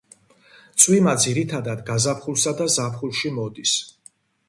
წვიმა ძირითადად გაზაფხულსა და ზაფხულში მოდის.